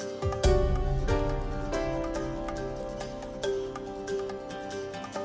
untuk mengembangkan penceplakan kain tenun sumba di kota